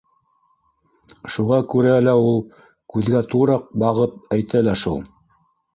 Шуға күрә лә ул күҙгә тура бағып әйтә лә шул!